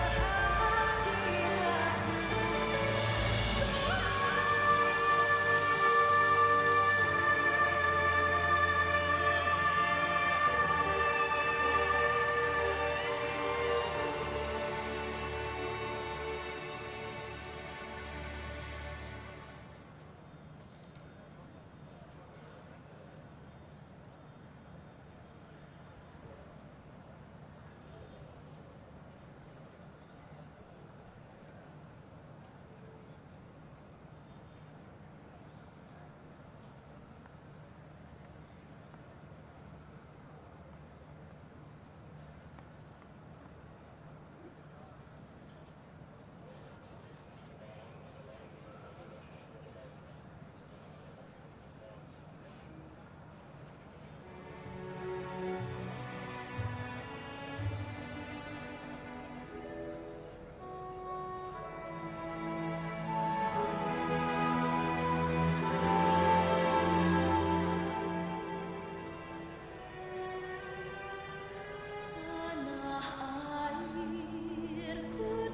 sebelumnya akan ikut file learnspeaker